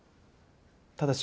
ただし。